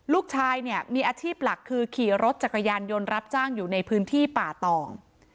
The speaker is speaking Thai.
ลูกชายเนี่ยมีอาชีพหลักคือขี่รถจักรยานยนต์รับจ้างอยู่ในพื้นที่ป่าตอง